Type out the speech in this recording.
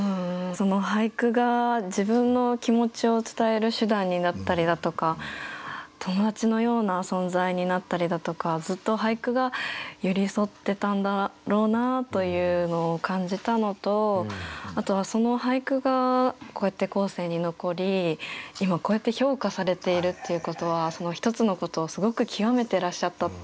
俳句が自分の気持ちを伝える手段になったりだとか友達のような存在になったりだとかずっと俳句が寄り添ってたんだろうなというのを感じたのとあとはその俳句がこうやって後世に残り今こうやって評価されているっていうことはその一つのことをすごく極めてらっしゃったっていうことだと思うので